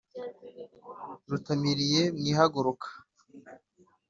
rutamiriye mu ihaguruka